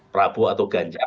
prabowo atau ganjar